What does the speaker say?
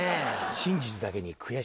真実だけに悔しいです。